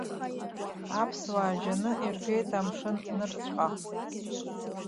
Аԥсуаа жьаны иргеит амшын нырцәҟа.